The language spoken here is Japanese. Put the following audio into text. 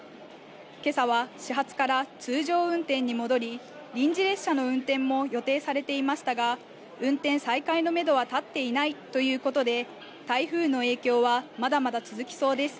今朝は始発から通常運転に戻り、臨時列車の運転も予定されていましたが、運転再開のめどはたっていないということで、台風の影響はまだまだ続きそうです。